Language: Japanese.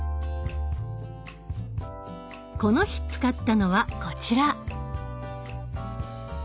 この日使ったのはこちら！